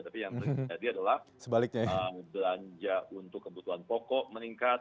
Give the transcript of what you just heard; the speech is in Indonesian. tapi yang terjadi adalah belanja untuk kebutuhan pokok meningkat